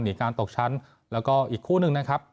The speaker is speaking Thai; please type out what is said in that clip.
การตกชั้นแล้วก็อีกคู่หนึ่งนะครับ